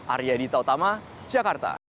arya edita utama jakarta